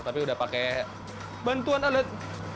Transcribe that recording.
tapi udah pakai bantuan alat